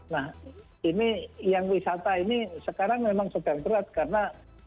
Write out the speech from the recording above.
nah ini yang wisata ini sekarang memang sedang berat karena